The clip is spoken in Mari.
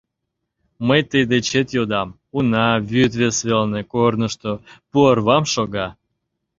Мый тый дечет йодам: уна, вӱд вес велне, корнышто, пу орвам шога.